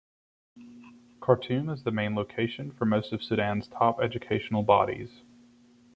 Khartoum is the main location for most of Sudan's top educational bodies.